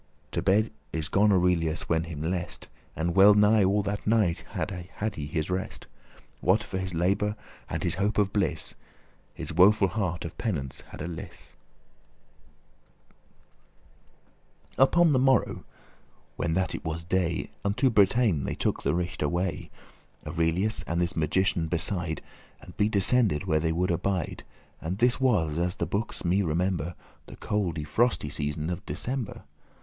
* *I pledge my To bed is gone Aurelius when him lest, faith on it* And well nigh all that night he had his rest, What for his labour, and his hope of bliss, His woeful heart *of penance had a liss.* *had a respite from suffering* Upon the morrow, when that it was day, Unto Bretagne they took the righte way, Aurelius and this magician beside, And be descended where they would abide: And this was, as the bookes me remember, The colde frosty season of December.